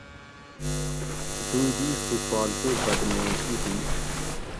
دوئ دِیش تھی فالتُو بد معیشی ہِش